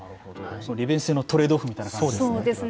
利便性のトレードオフみたいなことですね。